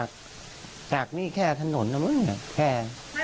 มันแค่จากนี่แค่ถนนนะมึงเนี่ยแค่